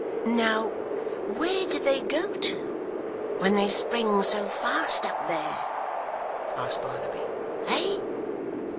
'Now, where do they go to, when they spring so fast up there,' asked Barnaby; 'eh?